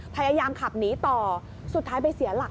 พยายามขับหนีต่อสุดท้ายไปเสียหลัก